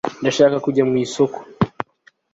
ndashaka kujya mu isoko